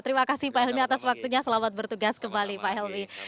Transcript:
terima kasih pak helmi atas waktunya selamat bertugas kembali pak helmi